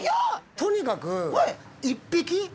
とにかく一匹！